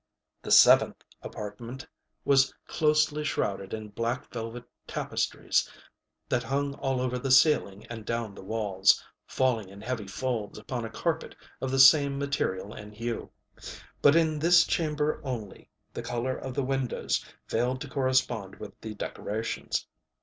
The seventh apartment was closely shrouded in black velvet tapestries that hung all over the ceiling and down the walls, falling in heavy folds upon a carpet of the same material and hue. But in this chamber only, the color of the windows failed to correspond with the decorations.